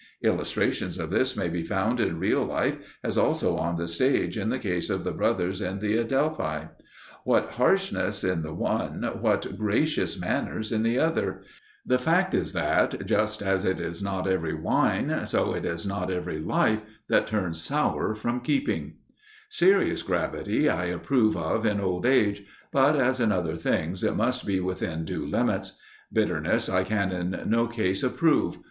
Illustrations of this may be found in real life, as also on the stage in the case of the brothers in the Adeiphi. What harshness in the one, what gracious manners in the other The fact is that, just as it is not every wine, so it is not every life, that turns sour from keeping, Serious gravity I approve of in old age, but, as in other things, it must be within due limits: bitterness I can in no case approve.